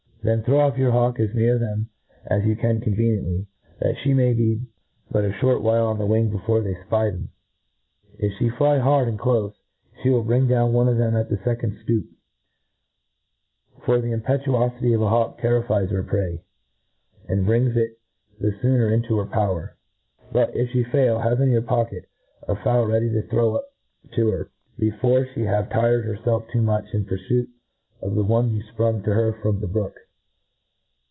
Then throw off your hawk as near them as you can conveniently, that flie may be but a ftiert while on wing Wore (hie fpy them. If flic fly hard and clofe, flie will bring down one of them at the fecond ftoop j for the impe tuofity of a hawk terrifies her prey, and brings k the Iboner. into her power. But, if flie foil, have in your pocket a fowl ready to throw up to her, before flie have tired hcrfclf too much }n purfuit of the one you fprung to her from the brook.